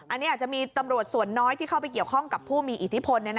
อันนี้อาจจะมีตำรวจส่วนน้อยที่เข้าไปเกี่ยวข้องกับผู้มีอิทธิพล